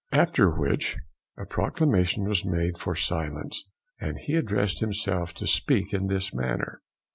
After which, a proclamation was made for silence, and he addressed himself to speak in this manner.